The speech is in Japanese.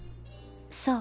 そう。